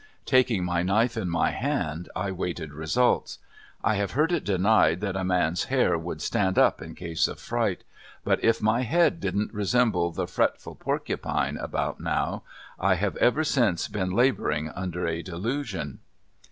Taking my knife in my hand I waited results. I have heard it denied that a man's hair would "stand up" in case of fright, but if my head didn't resemble the "fretful porcupine" about now, I have ever since been laboring under a delusion.